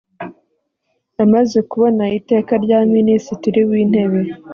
Amaze kubona Iteka rya Minisitiri w’Intebe